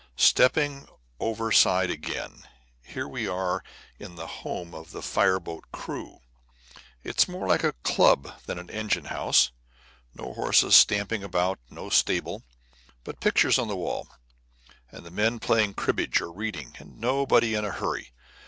Stepping over side again, here we are in the home of the fire boat crew. It's more like a club than an engine house. No horses stamping about, no stable; but pictures on the walls, and men playing cribbage or reading, and nobody in a hurry.